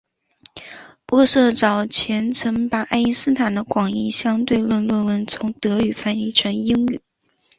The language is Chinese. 玻色早前曾经把爱因斯坦的广义相对论论文从德语翻译成英语。